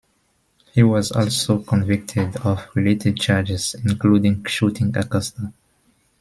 He was also convicted of related charges, including shooting Acosta.